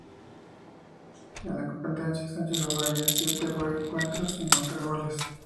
En la competencia Sánchez jugaría siete encuentros sin anotar goles.